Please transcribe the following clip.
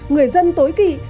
người dân tối kỵ